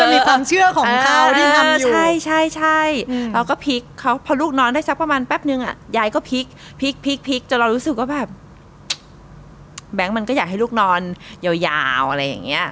มีความเชื่อของเขาที่ทำใช่ใช่เราก็พลิกเขาพอลูกนอนได้สักประมาณแป๊บนึงยายก็พลิกพลิกจนเรารู้สึกว่าแบบแบงค์มันก็อยากให้ลูกนอนยาวอะไรอย่างนี้